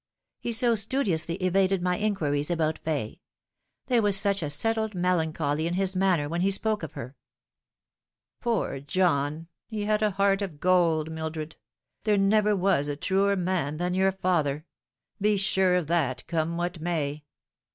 He so studiously evaded my inquiries about Fay there was such a settled melancholy in his manner when he spoke ot her." " Poor John ! he had a heart of gold, Mildred. There never was a truer man than your father. Be sure of that, come what may."